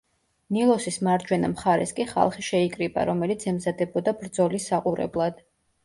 ნილოსის მარჯვენა მხარეს კი ხალხი შეიკრიბა, რომელიც ემზადებოდა ბრძოლის საყურებლად.